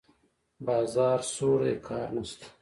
بازار سوړ دی؛ کار نشته.